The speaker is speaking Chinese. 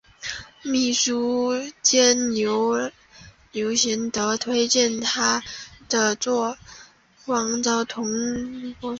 秘书监牛弘以德源推荐他与着作郎王邵同修国史。